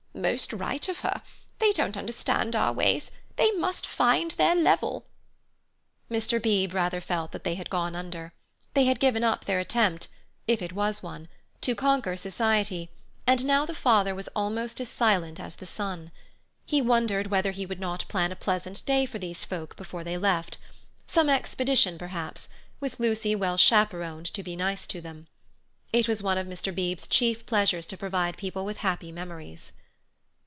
"Most right of her. They don't understand our ways. They must find their level." Mr. Beebe rather felt that they had gone under. They had given up their attempt—if it was one—to conquer society, and now the father was almost as silent as the son. He wondered whether he would not plan a pleasant day for these folk before they left—some expedition, perhaps, with Lucy well chaperoned to be nice to them. It was one of Mr. Beebe's chief pleasures to provide people with happy memories.